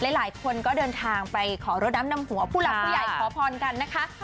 หลายคนก็เดินทางไปขอรถน้ำนำหัวผู้หลักผู้ใหญ่ขอพรกันนะคะ